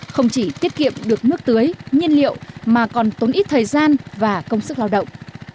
không chỉ tiết kiệm được nước tưới nhiên liệu mà còn tốn ít thời gian và công sức lao động